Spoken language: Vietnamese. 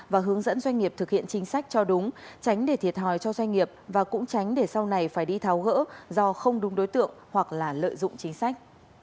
và hướng dẫn doanh nghiệp thực hiện chính sách cho đúng tránh để thiệt thòi cho doanh nghiệp và cũng tránh để sau này phải đi tháo gỡ do không đúng đối tượng hoặc là lợi dụng chính sách